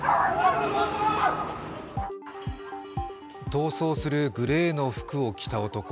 逃走するグレーの服を着た男。